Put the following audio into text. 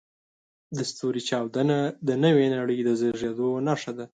د ستوري چاودنه د نوې نړۍ د زېږېدو نښه ده.